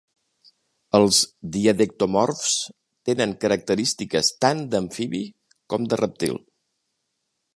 Els diadectomorfs tenen característiques tant d'amfibi com de reptil.